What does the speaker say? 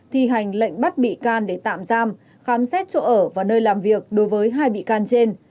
thi hành lệnh bắt bị can để tạm giam khám xét chỗ ở và nơi làm việc đối với hai bị can trên